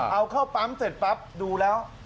เอาเข้าปั๊มเสร็จปั๊บดูแล้ว